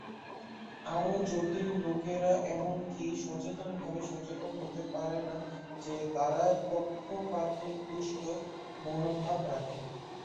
আরও জটিল, লোকেরা এমনকি সচেতনভাবে সচেতন হতে পারে না যে তারা পক্ষপাতদুষ্ট মনোভাব রাখে।